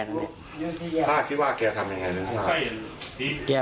พ่อที่ว่าแกทำอย่างไรนะครับ